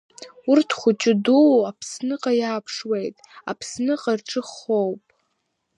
Урҭ дхәыҷы-ддуу Аԥсныҟа иааԥшуеит, Аԥсныҟа рҿы хоуп.